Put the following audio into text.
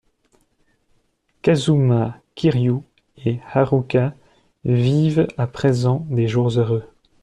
Kazuma Kiryu et Haruka vivent à présent des jours heureux.